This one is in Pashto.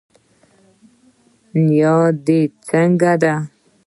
نيا دي څنګه ده